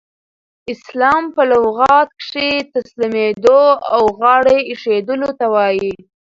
اسلام په لغت کښي تسلیمېدلو او غاړه ایښودلو ته وايي.